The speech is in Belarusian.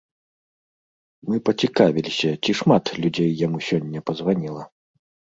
Мы пацікавіліся, ці шмат людзей яму сёння пазваніла.